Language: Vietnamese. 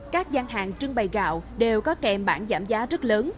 các gian hàng trưng bày gạo đều có kèm bản giảm giá rất lớn